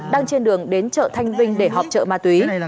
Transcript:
đang trên đường đến chợ thanh vinh để họp chợ ma túy